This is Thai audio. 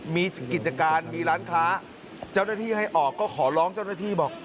มีกิจการมีร้านค้าเจ้าหน้าที่ให้ออกก็ขอร้องเจ้าหน้าที่บอก